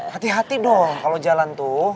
hati hati dong kalau jalan tuh